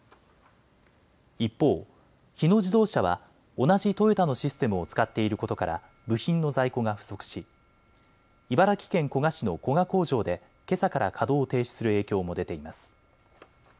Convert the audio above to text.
一方、日野自動車は同じトヨタのシステムを使っていることから部品の在庫が不足し茨城県古河市の古河工場でけさから稼働を停止する影響も出ています。